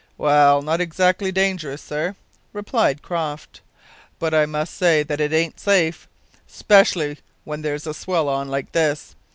"Well, not exactly dangerous, sir," replied Croft, "but I must say that it aint safe, 'specially when there's a swell on like this.